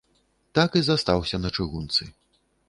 Так і застаўся на чыгунцы.